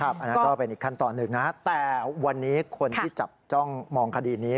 อันนั้นก็เป็นอีกขั้นตอนหนึ่งนะแต่วันนี้คนที่จับจ้องมองคดีนี้